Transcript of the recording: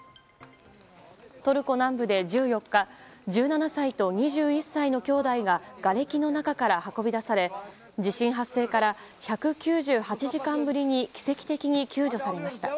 トルコ南部で１４日１７歳と２１歳の兄弟ががれきの中から運び出され地震発生から１９８時間ぶりに奇跡的に救助されました。